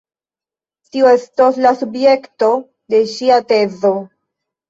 Tio estos la subjekto de ŝia tezo...